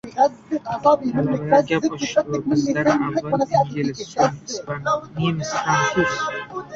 Talabalar gap ochishib, bizdan avval ingliz, so‘ng ispan, nemis, frantsuz